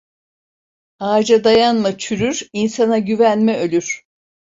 Ağaca dayanma çürür, insana güvenme ölür.